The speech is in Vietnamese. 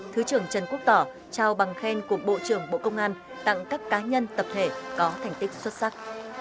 thứ trưởng trần quốc tỏ trao bằng khen của bộ trưởng bộ công an tặng các cá nhân tập thể có thành tích xuất sắc